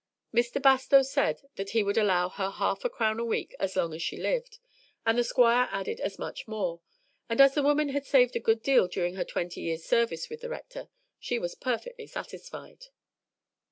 Mr. Bastow said that he would allow her half a crown a week as long as she lived, and the Squire added as much more, and as the woman had saved a good deal during her twenty years' service with the Rector, she was perfectly satisfied.